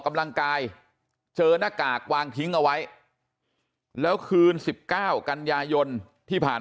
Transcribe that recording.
กำลังกายเจอหน้ากากวางทิ้งเอาไว้แล้วคืน๑๙กันยายนที่ผ่าน